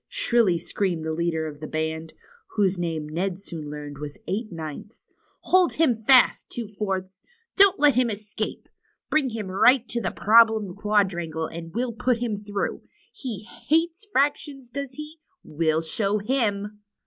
shrilly screamed the leader of the band, whose name Ned soon learned Avas Eight Ninths, Hold him fast. Two Fourths. Don't let him escape. Bring him right up to Problem Quadrangle, and we'll put him through. He Hiates ' fractions, does he? We'll show him!"